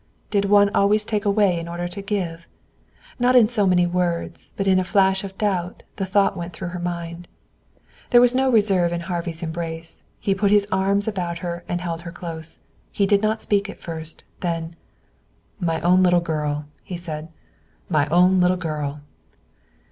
Did one always take away in order to give? Not in so many words, but in a flash of doubt the thought went through her mind. There was no reserve in Harvey's embrace. He put his arms about her and held her close. He did not speak at first. Then: "My own little girl," he said. "My own little girl!"